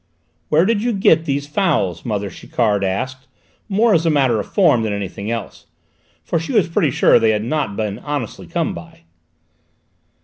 "Where did you get these fowls?" mother Chiquard asked, more as a matter of form than anything else, for she was pretty sure they had not been honestly come by.